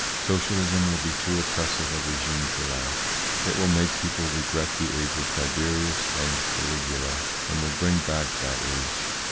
Socialism will be too oppressive a regime to last. It will make people regret the age of Tiberius and Caligula and will bring back that age.